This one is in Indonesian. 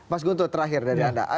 mas guntur terakhir dari anda